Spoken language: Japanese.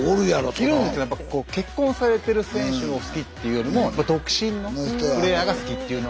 いるんですけど結婚されてる選手を好きっていうよりも独身のプレーヤーが好きっていうのが多いですから。